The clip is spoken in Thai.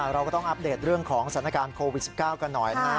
เราก็ต้องอัปเดตเรื่องของสถานการณ์โควิด๑๙กันหน่อยนะ